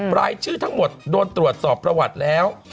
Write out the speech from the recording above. รายชื่อทั้งหมดโดนตรวจสอบประวัติแล้ว